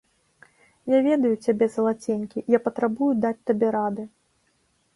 Я ведаю цябе, залаценькі, я патрабую даць табе рады.